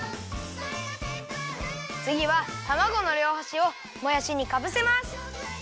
つぎはたまごのりょうはしをもやしにかぶせます。